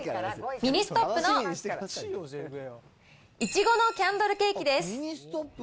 ミニストップの苺のキャンドルケーキです。